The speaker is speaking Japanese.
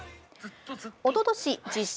おととし実写